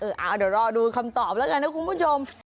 เดี๋ยวรอดูคำตอบแล้วกันนะคุณผู้ชม